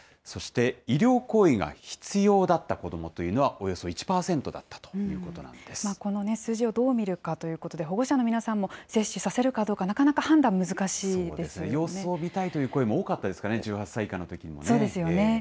そして医療行為が必要だった子どもというのは、およそ１％だったこの数字をどう見るかということで、保護者の皆さんも接種させるかどうか、なかなか判断、難様子を見たいという声も多かったですからね、１８歳以下のときにもね。